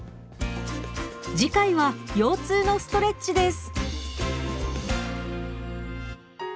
次回は腰痛のストレッチです。